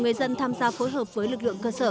người dân tham gia phối hợp với lực lượng cơ sở